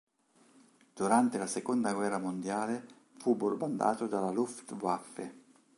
Durante la seconda guerra mondiale fu bombardato dalla Luftwaffe.